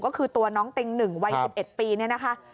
ก็คือตัวน้องเต็งหนึ่งวัย๑๑ปีนี่นะคะ